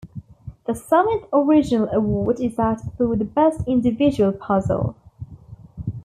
The seventh original award is that for the Best Individual Puzzle.